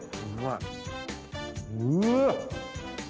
うーわっ！